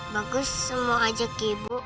bagus mau ajak ibu